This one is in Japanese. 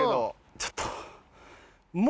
ちょっと。